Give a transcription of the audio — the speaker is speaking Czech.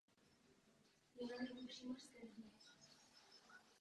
Doufejme, že to přijmou.